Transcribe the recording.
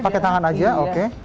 pakai tangan saja oke